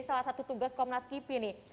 salah satu tugas komnas kipi nih